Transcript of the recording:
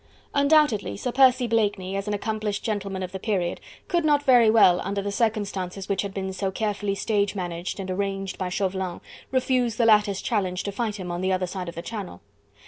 Undoubtedly Sir Percy Blakeney, as an accomplished gentleman of the period, could not very well under the circumstances which had been so carefully stage managed and arranged by Chauvelin, refuse the latter's challenge to fight him on the other side of the Channel.